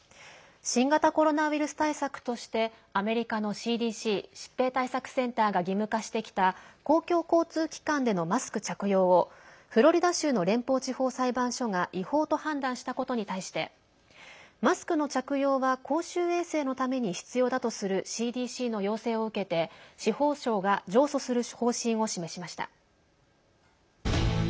新型コロナウイルス対策としてアメリカのＣＤＣ＝疾病対策センターが義務化してきた公共交通機関でのマスク着用をフロリダ州の連邦地方裁判所が違法と判断したことに対してマスクの着用は公衆衛生のために必要だとするＣＤＣの要請を受けて、司法省が上訴する方針を示しました。